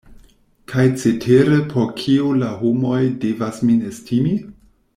Kaj cetere por kio la homoj devas min estimi?